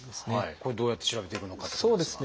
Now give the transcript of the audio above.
これどうやって調べていくのかっていうことですが。